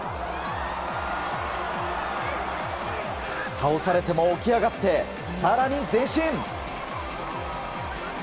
倒されても起き上がって更に前進！